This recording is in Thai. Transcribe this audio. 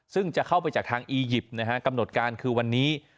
ซึ่งจะเข้าไปจากทางอียิปต์นะฮะกำหนดการคือวันนี้